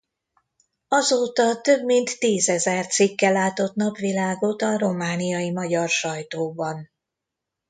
Azóta több mint tízezer cikke látott napvilágot a romániai magyar sajtóban.